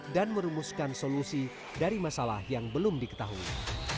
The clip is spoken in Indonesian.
dan merumuskan solusi dari masalah yang belum diketahui